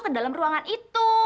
ke dalam ruangan itu